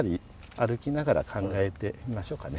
歩きながら考えてみましょうかね。